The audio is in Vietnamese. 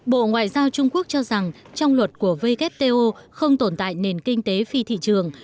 bộ ngoại giao trung quốc cho rằng trong luật của wto không tồn tại nền kinh tế phi thị trường